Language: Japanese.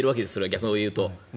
逆を言うと。